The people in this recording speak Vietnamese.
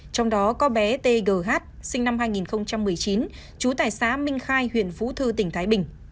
trong đó có bé t g h sinh năm hai nghìn một mươi chín chú tài xá minh khai huyện phú thư tỉnh thái bình